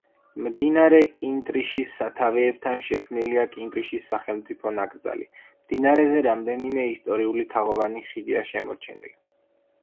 მდინარე კინტრიშის სათავეებთან შექმნილია კინტრიშის სახელმწიფო ნაკრძალი, მდინარეზე რამდენიმე ისტორიული თაღოვანი ხიდია შემორჩენილი.